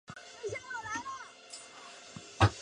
十三岁时阿肯色州的斯科特堡读高小学。